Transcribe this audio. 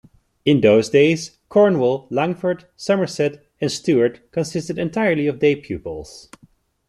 In those days, Cornwall, Langford, Somerset and Stuart consisted entirely of day pupils.